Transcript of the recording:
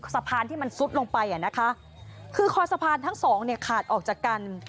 สะพานที่มันซุดลงไปอ่ะนะคะคือคอสะพานทั้งสองเนี่ยขาดออกจากกัน